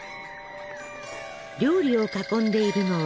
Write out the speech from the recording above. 料理を囲んでいるのはあやかし？